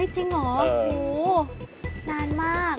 จริงเหรอโอ้โหนานมาก